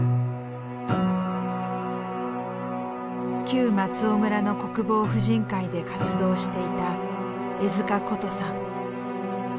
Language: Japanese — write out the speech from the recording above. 旧松尾村の国防婦人会で活動していた江塚ことさん。